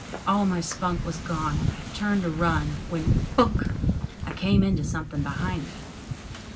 All my spunk was gone, and I turned to run, when, bunk! I came into something behind me.